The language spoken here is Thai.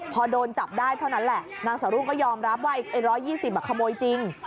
พอโดนจับได้เท่านั้นแหละนางสาวรุ่งก็ยอมรับว่าไอ้๑๒๐ขโมยจริง